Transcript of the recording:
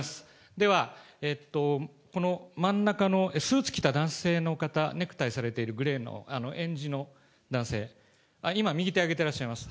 では、この真ん中のスーツ着た男性の方、ネクタイされている、グレーの、えんじの男性、今右手挙げてらっしゃいます。